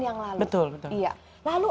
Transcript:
yang lalu betul lalu